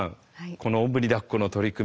この「おんぶにだっこ」の取り組み